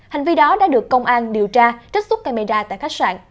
hành vi đó đã được công an điều tra trích xuất camera tại khách sạn